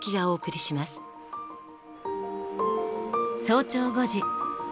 早朝５時。